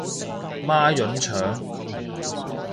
孖膶腸